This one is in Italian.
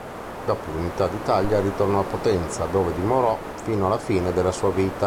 Dopo l'unità d'Italia, ritornò a Potenza dove dimorò fino alla fine della sua vita.